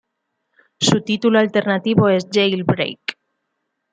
Su título alternativo es Jail Break.